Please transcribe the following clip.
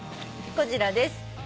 こちらです。